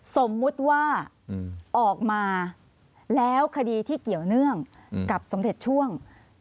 สมมุติว่าออกมาแล้วคดีที่เกี่ยวเนื่องกับสมเด็จช่วง